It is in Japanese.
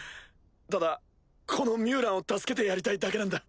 ただこのミュウランを助けてやりたいだけなんだ。